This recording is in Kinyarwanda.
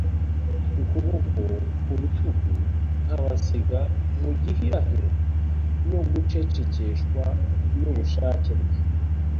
ukuboko ku rutugu, nkabasiga mu gihirahiro, no gucecekeshwa n'ubushake bwe